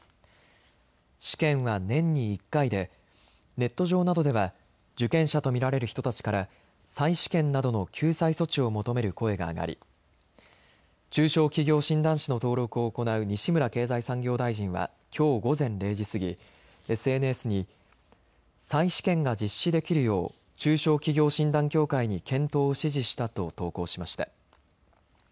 試験は年に１回でネット上などでは受験者と見られる人たちから再試験などの救済措置を求める声が上がり中小企業診断士の登録を行う西村経済産業大臣はきょう午前０時過ぎ、ＳＮＳに再試験が実施できるよう中小企業診断協会に検討を指示したと投稿しました。